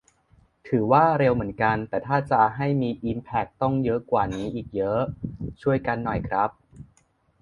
ถือว่า เร็วเหมือนกัน แต่ถ้าจะให้มีอิมแพคต้องเยอะกว่านี้อีกเยอะ ช่วยกันหน่อยครับ